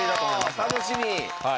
楽しみ！